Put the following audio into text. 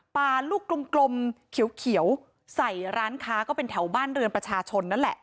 ปลาลูกกลมเขียวใส่ร้านค้าก็เป็นแถวบ้านเรือนประชาชนนั่นแหละ